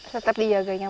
tetap dijaganya pak